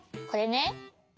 これね？